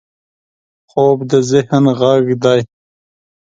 خوب د ذهن غږ دی